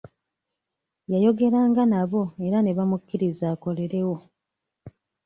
Yayogeranga nabo era nebamukiriza akolerewo.